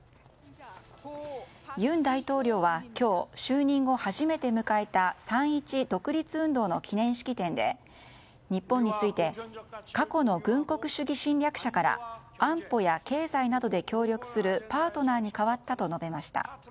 尹大統領は今日就任後初めて迎えた三・一独立運動の記念式典で日本について過去の軍国主義侵略者から安保や経済などで協力するパートナーに変わったと述べました。